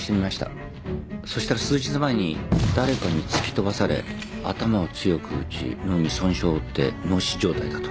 そしたら数日前に誰かに突き飛ばされ頭を強く打ち脳に損傷を負って脳死状態だと。